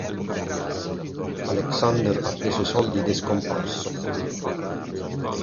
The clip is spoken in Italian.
Alexander ha preso i soldi ed è scomparso.